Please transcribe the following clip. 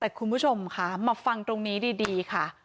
แต่คุณผู้ชมค่ะมาฟังตรงนี้ดีค่ะ